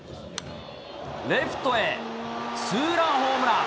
レフトへ、ツーランホームラン。